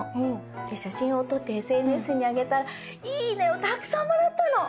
で写真を撮ってＳＮＳにあげたら「いいね！」をたくさんもらったの！